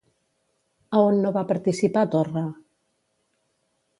A on no va participar Torra?